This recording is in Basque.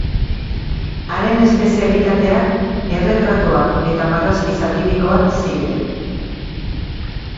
Haren espezialitateak erretratuak eta marrazki satirikoak ziren.